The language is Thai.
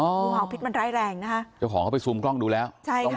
งูเห่าพิษมันร้ายแรงนะคะเจ้าของเขาไปซูมกล้องดูแล้วใช่ค่ะ